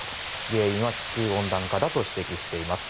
原因は地球温暖化と指摘しています。